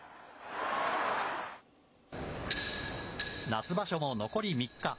夏場所も残り３日。